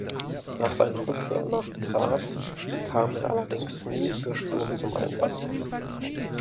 Nach seiner Rückkehr nach Graz kam er allerdings nie für Sturm zum Einsatz.